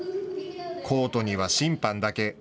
コートには審判だけ。